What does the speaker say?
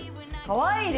かわいい。